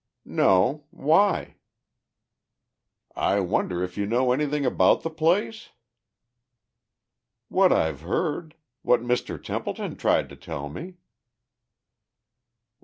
"No. Why?" "I wonder if you know anything about the place?" "What I've heard. What Mr. Templeton tried to tell me."